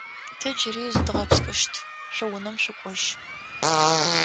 Тэ джыри зыдгъэпскӏыщт, шъо унэм шъукӏожь.